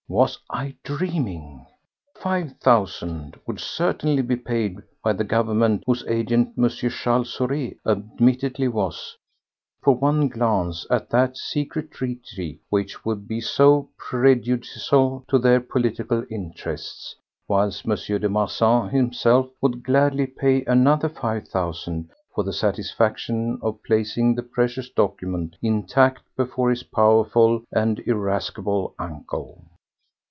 Was I dreaming? Five thousand would certainly be paid by the Government whose agent M. Charles Saurez admittedly was for one glance at that secret treaty which would be so prejudicial to their political interests; whilst M. de Marsan himself would gladly pay another five thousand for the satisfaction of placing the precious document intact before his powerful and irascible uncle.